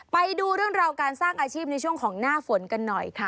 ไปดูเรื่องราวการสร้างอาชีพในช่วงของหน้าฝนกันหน่อยค่ะ